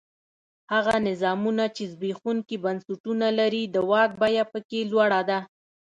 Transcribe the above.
هغه نظامونه چې زبېښونکي بنسټونه لري د واک بیه په کې لوړه ده.